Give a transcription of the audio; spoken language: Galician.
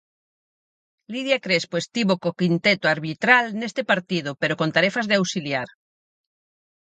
Lidia Crespo estivo co quinteto arbitral neste partido pero con tarefas de auxiliar.